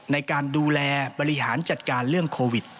ในการดูแลบริหารจัดการเรื่องโควิด